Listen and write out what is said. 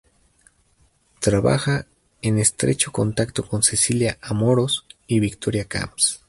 Trabaja en estrecho contacto con Celia Amorós y Victoria Camps.